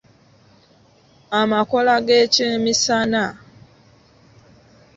Amakola g’ekyemisana.